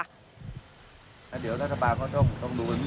ไอ้จินเนี่ยคือคนช่วยผม